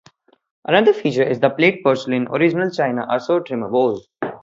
Another feature is the plate porcelain original China are so trimmer wall.